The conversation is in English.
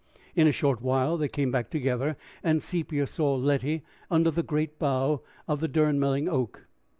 In a short while they came back together, and Sepia saw Letty under the great bough of the Durnmelling oak.